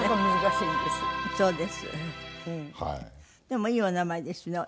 でもいいお名前ですね。